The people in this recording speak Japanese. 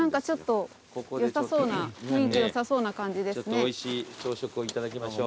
おいしい朝食をいただきましょう。